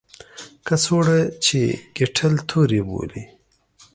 کڅوړه چې کیټل تور بولي.